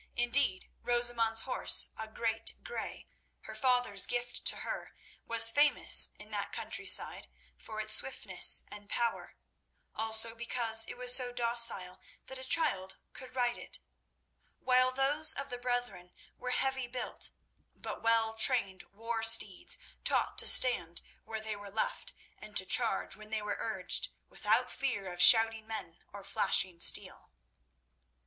Indeed, Rosamund's horse, a great grey, her father's gift to her, was famous in that country side for its swiftness and power, also because it was so docile that a child could ride it; while those of the brethren were heavy built but well trained war steeds, taught to stand where they were left, and to charge when they were urged, without fear of shouting men or flashing steel.